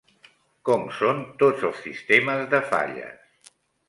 Com són tots els sistemes de falles?